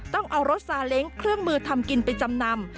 ต้องเอารถซาเล้งเครื่องมือทำกินไปจำนำ